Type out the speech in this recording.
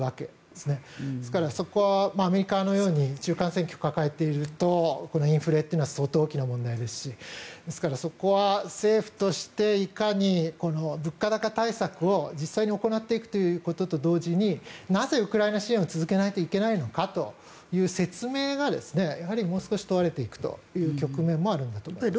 ですからそこはアメリカのように中間選挙を抱えているとインフレっていうのは相当大きな問題ですしですから、そこは政府としていかに物価高対策を実際に行っていくということと同時になぜウクライナ支援を続けないといけないのかという説明がもう少し問われていくという局面もあるんだと思います。